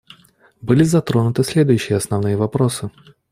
Были затронуты следующие основные вопросы.